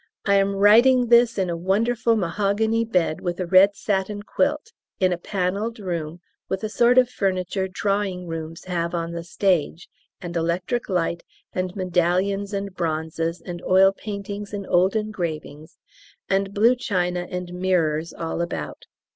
I am writing this in a wonderful mahogany bed, with a red satin quilt, in a panelled room, with the sort of furniture drawing rooms have on the stage, and electric light, and medallions and bronzes, and oil paintings and old engravings, and blue china and mirrors all about.